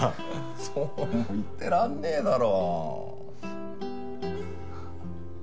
そうも言ってられねえだろ。